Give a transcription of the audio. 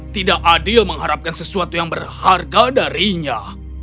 tidak adil mengharapkan sesuatu yang berharga darinya